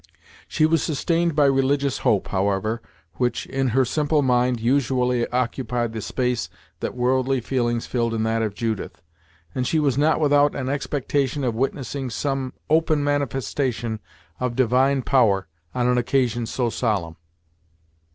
She was sustained by religious hope, however, which in her simple mind usually occupied the space that worldly feelings filled in that of Judith, and she was not without an expectation of witnessing some open manifestation of divine power, on an occasion so solemn.